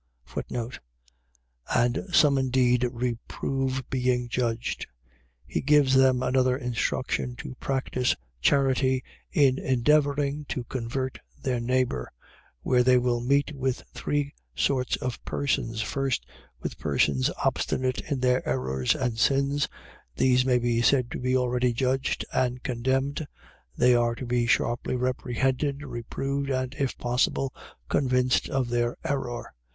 And some indeed reprove being judged. . .He gives them another instruction to practice charity in endeavouring to convert their neighbour, where they will meet with three sorts of persons: 1st, With persons obstinate in their errors and sins; these may be said to be already judged and condemned; they are to be sharply reprehended, reproved, and if possible convinced of their error.